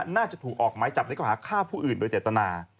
น่าจะถูกออกหมาจับในกฐานข้าวผู้อื่นโดยจัดตนา